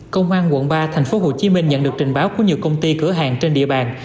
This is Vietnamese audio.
công an quận ba tp hcm nhận được trình báo của nhiều công ty cửa hàng trên địa bàn